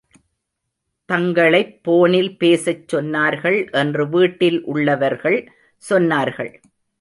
தங்களைப் போனில் பேசச் சொன்னார்கள் என்று வீட்டில் உள்ளவர்கள் சொன்னார்கள்.